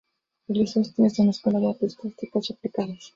Realizó estudios en la Escuela de Artes Plásticas y Aplicadas.